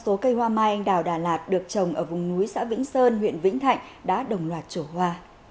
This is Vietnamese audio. năm mươi số cây hoa mai đảo đà lạt được trồng ở vùng núi xã vĩnh sơn huyện vĩnh thạnh đã đồng loạt chỗ hoa